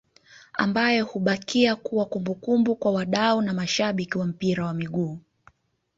ambayo hubakia kuwa kumbukumbu kwa wadau na mashabiki wa mpira wa miguu